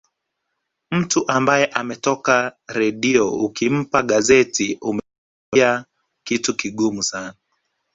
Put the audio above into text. Mtu ambaye ametoka redio ukimpa gazeti umemwambia kitu kigumu sana